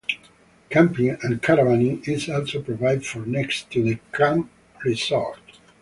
Camping and caravaning is also provided for, next to the Camp Resort.